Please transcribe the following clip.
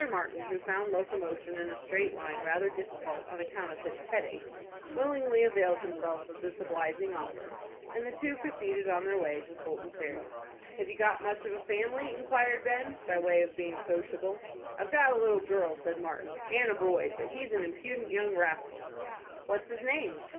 Martin, who found locomotion in a straight line rather difficult on account of his headache, willingly availed himself of this obliging offer, and the two proceeded on their way to Fulton Ferry. "Have you got much of a family?" inquired Ben, by way of being sociable. "I've got a little girl," said Martin, "and a boy, but he's an impudent young rascal." "What's his name?"